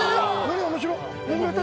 何面白っ！